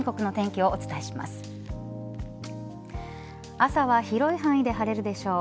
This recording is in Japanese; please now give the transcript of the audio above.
朝は広い範囲で晴れるでしょう。